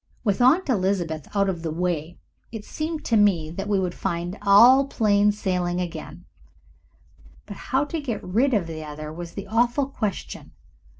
With Aunt Elizabeth out of the way it seemed to me that we would find all plain sailing again, but how to get rid other was the awful question.